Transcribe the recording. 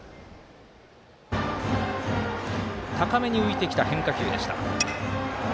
高めに浮いてきた変化球でした。